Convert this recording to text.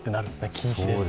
禁止ですね。